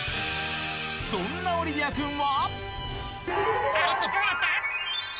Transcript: そんなオリビア君は。